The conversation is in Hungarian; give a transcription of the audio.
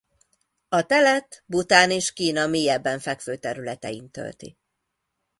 A telet Bhután és Kína mélyebben fekvő területein tölti.